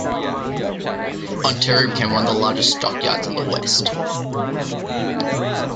Ontario became one of the largest stockyards in the West.